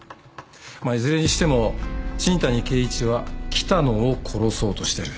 まあいずれにしても新谷啓一は喜多野を殺そうとしてる。